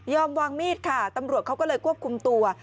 วางมีดค่ะตำรวจเขาก็เลยควบคุมตัว